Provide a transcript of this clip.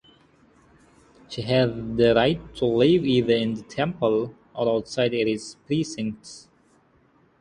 She has the right to live either in the temple or outside its precincts.